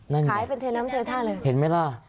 ขายเป็นเทน้ำเทท่าเลยเห็นไหมล่ะ